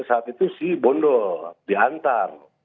saat itu si bondo diantar